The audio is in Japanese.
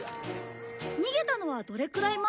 逃げたのはどれくらい前？